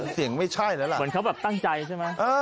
เสียงไม่ใช่แล้วล่ะเหมือนเขาแบบตั้งใจใช่ไหม